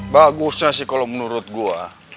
bagusnya sih kalo menurut gua